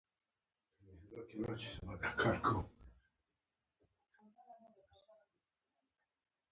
د افغانستان ټولی ودانۍ باید د انجنيري اوصولو په اساس جوړې شی